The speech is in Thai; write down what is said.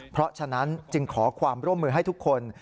เพราะฉะนั้นจึงขอความร่วมมือให้ทุกคน